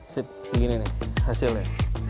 sip begini nih hasilnya